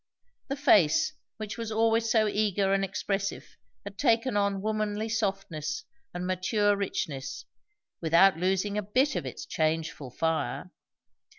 The face which was always so eager and expressive had taken on womanly softness and mature richness, without losing a bit of its changeful fire.